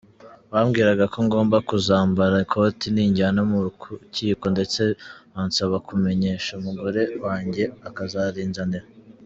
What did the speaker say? Bambwiraga ko ngomba kuzambara ikoti ninjyanwa mu rukiko ndetse bansaba kumenyesha umugore wanjye akazarinzanira.